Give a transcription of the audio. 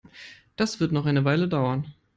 Das wird noch eine Weile dauern.